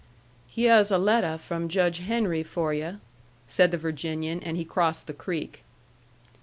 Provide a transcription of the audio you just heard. "Hyeh's a letter from Judge Henry for yu'" said the Virginian, and he crossed the creek.